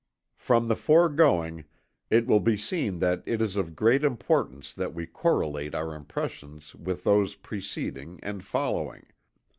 From the foregoing, it will be seen that it is of great importance that we correlate our impressions with those preceding and following.